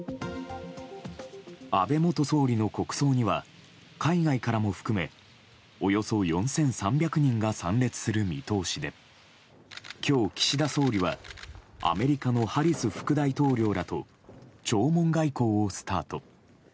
安倍元総理の国葬には海外からも含めおよそ４３００人が参列する見通しで今日、岸田総理はアメリカのハリス副大統領らと弔問外交をスタート。